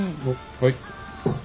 はい。